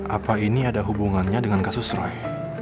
apa ini ada hubungannya dengan kasus rai